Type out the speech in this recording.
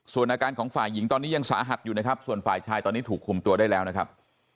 ส่วนอาการของฝ่ายหญิงตอนนี้ยังสาหัสอยู่นะครับส่วนฝ่ายชายตอนนี้ถูกคุมตัวได้แล้วนะครับ